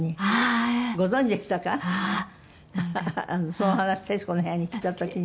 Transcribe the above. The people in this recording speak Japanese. その話『徹子の部屋』に来た時に。